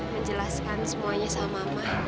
menjelaskan semuanya sama mama